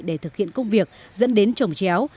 để thực hiện công việc dẫn đến trồng chéo